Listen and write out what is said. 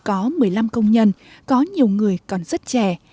có một mươi năm công nhân có nhiều người còn rất trẻ